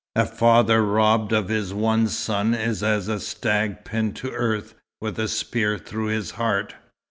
"A father robbed of his one son is as a stag pinned to earth with a spear through his heart.